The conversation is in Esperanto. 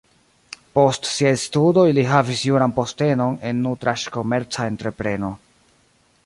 Post siaj studoj li havis juran postenon en nutraĵkomerca entrepreno.